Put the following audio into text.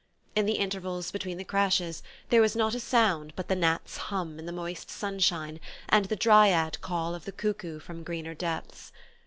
In the intervals between the crashes there was not a sound but the gnats' hum in the moist sunshine and the dryad call of the cuckoo from greener depths.